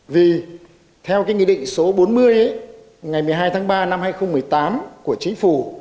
vì theo cái nghị định số bốn mươi ấy ngày một mươi hai tháng ba năm hai nghìn một mươi tám của chính phủ